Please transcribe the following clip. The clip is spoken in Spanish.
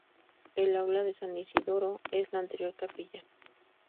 El Aula de San Isidoro es la anterior capilla.